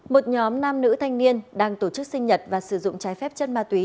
một nhóm nam nữ thanh niên đang tổ chức sinh nhật và sử dụng trái phép chất ma túy